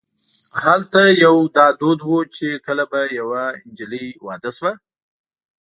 هلته یو دا دود و چې کله به یوه جنۍ واده شوه.